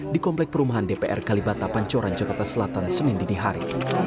di komplek perumahan dpr kalibata pancoran jakarta selatan senin dinihari